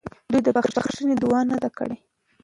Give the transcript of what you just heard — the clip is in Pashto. دوی د بخښنې دعا نه ده کړې.